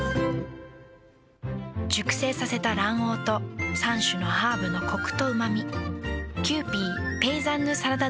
熟成させた卵黄と３種のハーブのコクとうま味。